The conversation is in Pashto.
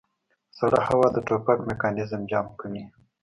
سړه هوا د ټوپک میکانیزم جام کوي